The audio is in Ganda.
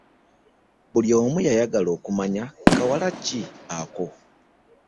Buli omu yayagala okumanya kawala ki ako?